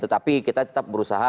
tetapi kita tetap berusaha